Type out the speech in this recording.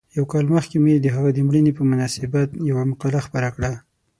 یو کال مخکې مې د هغه د مړینې په مناسبت یوه مقاله خپره کړه.